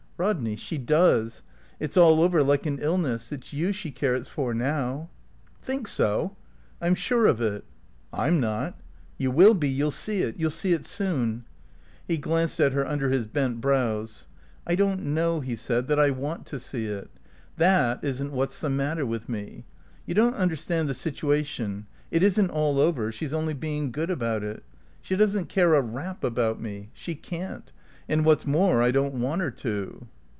"Rodney, she does. It's all over, like an illness. It's you she cares for now." "Think so?" "I'm sure of it." "I'm not." "You will be. You'll see it. You'll see it soon." He glanced at her under his bent brows. "I don't know," he said, "that I want to see it. That isn't what's the matter with me. You don't understand the situation. It isn't all over. She's only being good about it. She doesn't care a rap about me. She can't. And what's more I don't want her to."